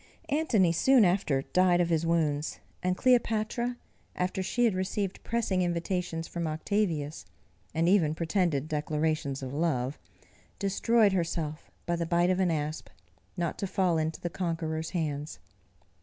Antony soon after died of his wounds, and Cleopatra, after she had received pressing invitations from Octavius, and even pretended declarations of love, destroyed herself by the bite of an asp, not to fall into the conqueror's hands.